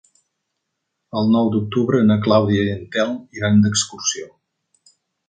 El nou d'octubre na Clàudia i en Telm iran d'excursió.